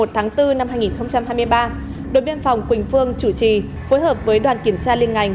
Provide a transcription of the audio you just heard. một tháng bốn năm hai nghìn hai mươi ba đội biên phòng quỳnh phương chủ trì phối hợp với đoàn kiểm tra liên ngành